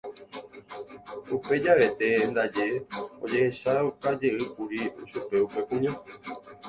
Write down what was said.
Upe javete ndaje ojehechaukajeýkuri chupe upe kuña